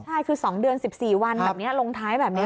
ใช่คือ๒เดือน๑๔วันลงท้ายแบบนี้